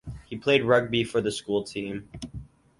He played rugby for the school team.